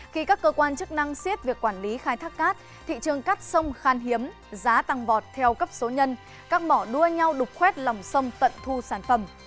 khi các cơ quan chức năng xiết việc quản lý khai thác cát thị trường cát sông khan hiếm giá tăng vọt theo cấp số nhân các bỏ đua nhau đục khuét lòng sông tận thu sản phẩm